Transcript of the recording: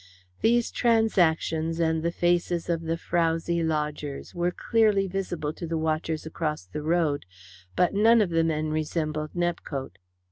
These transactions, and the faces of the frowzy lodgers were clearly visible to the watchers across the road, but none of the men resembled Nepcote.